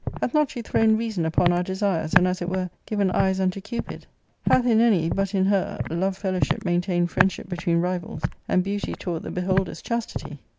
Hath not she thrown '\'^ reasoj^ u{>on our desires, and, as it were, given eyes unto Cupid ? Hath in any, but in her, love fellowship maintained friendship between rivals and beauty taught the beholders chastity